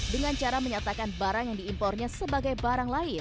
dengan cara menyatakan barang yang diimpornya sebagai barang lain